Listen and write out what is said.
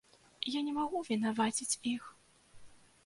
Я не магу вінаваціць іх.